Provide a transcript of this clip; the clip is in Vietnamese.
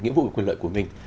nghĩa vụ của quyền lợi của mình